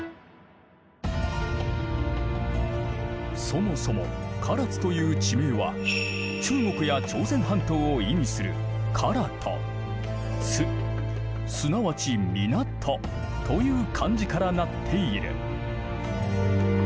そもそも唐津という地名は中国や朝鮮半島を意味する「唐」と「津」すなわち港という漢字からなっている。